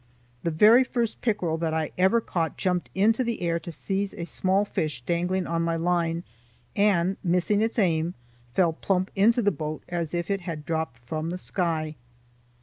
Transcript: The very first pickerel that I ever caught jumped into the air to seize a small fish dangling on my line, and, missing its aim, fell plump into the boat as if it had dropped from the sky.